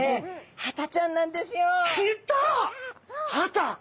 ハタ！